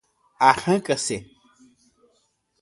Arrancar-se